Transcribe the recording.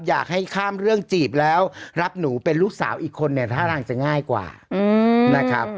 อยากให้ข้ามเรื่องจีบแล้วรับหนูเป็นลูกสาวอีกคนเนี่ยท่าทางจะง่ายกว่านะครับ